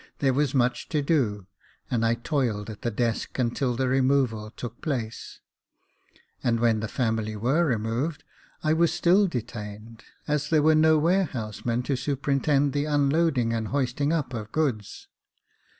there was much to do, and I toiled at the desk until the removal took place ; and when the family were removed, I was still detained, as there was no ware houseman to superintend the unloading and hoisting up of goods.